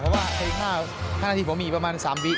เพราะว่าเพลง๕นาทีผมมีประมาณ๓วิ